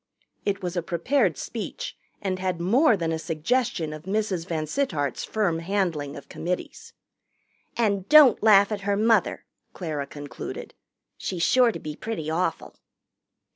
It was a prepared speech and had more than a suggestion of Mrs. VanSittart's firm handling of committees. "And don't laugh at her mother," Clara concluded. "She's sure to be pretty awful."